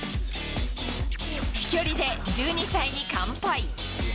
飛距離で１２歳に完敗。